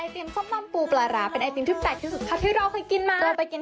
หรือว่ากินส้มตำแบบฟรี๊ส